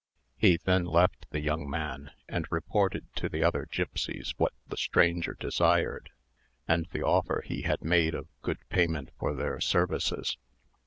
He then left the young man, and reported to the other gipsies what the stranger desired, and the offer he had made of good payment for their services.